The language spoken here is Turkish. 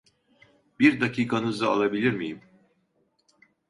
Bir dakikanızı alabilir miyim?